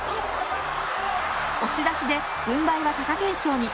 押し出しで軍配は貴景勝に。